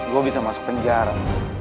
gua bisa mas penjara